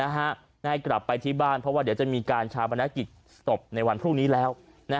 ได้กลับไปที่บ้านเพราะว่าเดี๋ยวจะมีการชาปนกิจศพในวันพรุ่งนี้แล้ว